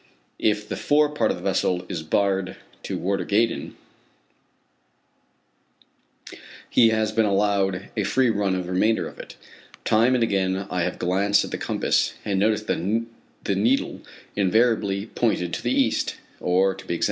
If the fore part of the vessel is barred to Warder Gaydon he has been allowed a free run of the remainder of it. Time and again I have glanced at the compass, and noticed that the needle invariably pointed to the east, or to be exact, east southeast.